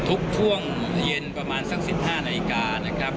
ทุกช่วงเย็นประมาณสัก๑๕นาฬิกานะครับ